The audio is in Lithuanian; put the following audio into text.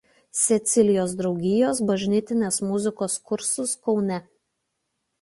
Cecilijos draugijos bažnytinės muzikos kursus Kaune.